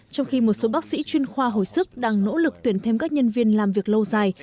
trong khi một số bác sĩ chuyên khoa hồi sức đang nỗ lực tuyển thêm các nhân viên làm việc lâu dài